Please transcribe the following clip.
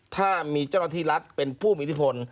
ถ้ามีเจ้าหน้าที่รัฐเป็นผู้มีอิทธิพล